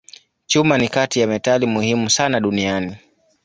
Chuma ni kati ya metali muhimu sana duniani.